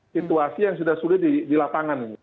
situasi yang sudah sudah di lapangan ini